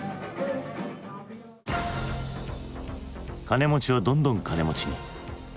金持ちはどんどん金持ちに。